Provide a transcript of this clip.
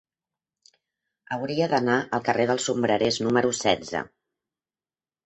Hauria d'anar al carrer dels Sombrerers número setze.